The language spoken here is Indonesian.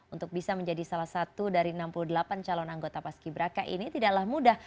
untuk bisa menjadi salah satu dari enam puluh delapan calon anggota paski braka ini tidaklah mudah